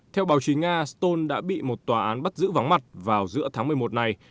theo báo chí nga ston đã bị một tòa án bắt giữ vắng mặt vào giữa tháng một mươi một này